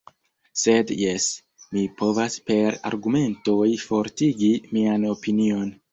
Sed jes, mi povas per argumentoj fortigi mian opinion.